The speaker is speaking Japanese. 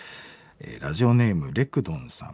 ラジオネームレクドンさん。